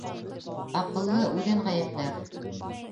Аҡыллы үҙен ғәйепләр